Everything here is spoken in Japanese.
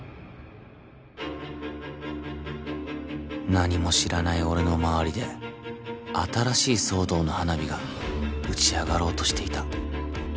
何も知らない俺の周りで新しい騒動の花火が打ち上がろうとしていた